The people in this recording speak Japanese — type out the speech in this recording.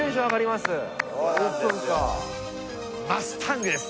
マスタングです。